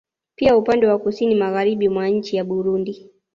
Pia upande wa kusini Magharibi mwa nchi ya Burundi